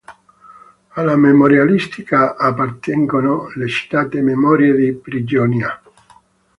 Alla memorialistica appartengono le citate "Memorie di prigionia".